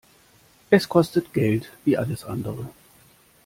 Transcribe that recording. Es kostet Geld wie alles andere.